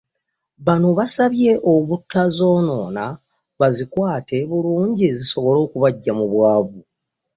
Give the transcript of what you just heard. Bano baasabye obutazoonoona bazikwate bulungi zisibole okubaggya mu bwavu.